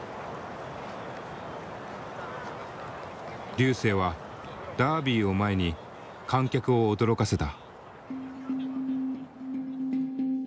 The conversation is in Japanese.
瑠星はダービーを前に観客を驚かせた。